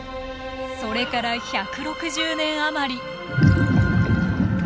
それから１６０年余り。